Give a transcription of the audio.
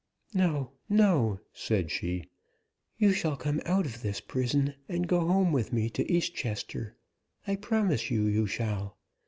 "No, no!" said she. "You shall come out of this prison, and go home with me to East Chester; I promise you you shall.